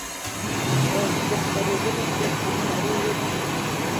په بهترېدلو کې همکاري وکړي.